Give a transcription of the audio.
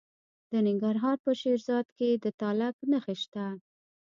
د ننګرهار په شیرزاد کې د تالک نښې شته.